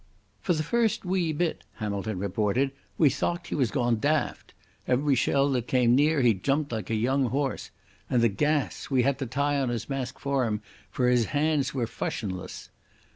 "For the first wee bit," Hamilton reported, "we thocht he was gaun daft. Every shell that came near he jumped like a young horse. And the gas! We had to tie on his mask for him, for his hands were fushionless.